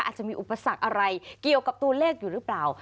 อาจจะมีอุปสรรคอะไรเกี่ยวกับตัวเลขอยู่หรือเปล่า